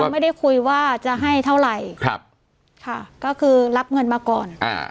ไม่ได้คุยว่าจะให้เท่าไหร่ครับค่ะก็คือรับเงินมาก่อนอ่า